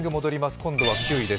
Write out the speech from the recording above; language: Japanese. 今度は９位です。